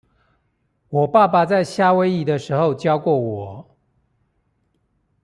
我爸爸在夏威夷的時候教過我